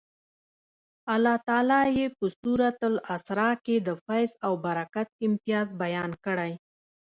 الله تعالی یې په سورة الاسرا کې د فیض او برکت امتیاز بیان کړی.